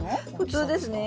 普通ですね。